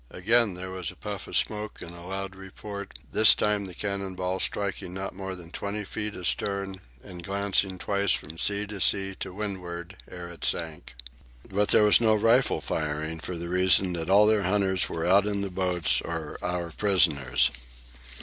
Again there was a puff of smoke and a loud report, this time the cannon ball striking not more than twenty feet astern and glancing twice from sea to sea to windward ere it sank. But there was no rifle firing for the reason that all their hunters were out in the boats or our prisoners.